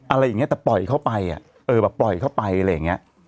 อะไรอย่างนี้แต่ปล่อยเข้าไปอ่ะเออแบบปล่อยเข้าไปอะไรอย่างเงี้ย